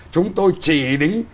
chúng tôi chỉ đính